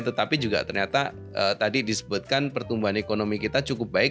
tetapi juga ternyata tadi disebutkan pertumbuhan ekonomi kita cukup baik